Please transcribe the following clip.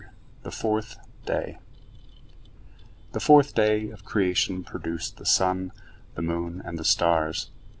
THE FOURTH DAY The fourth day of creation produced the sun, the moon, and the stars.